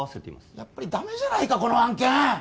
やっぱりダメじゃないかこの案件！